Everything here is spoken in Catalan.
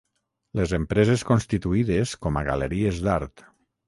Les empreses constituïdes com a galeries d'art.